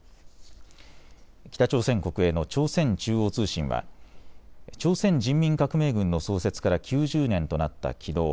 北朝鮮国営の朝鮮中央通信は朝鮮人民革命軍の創設から９０年となったきのう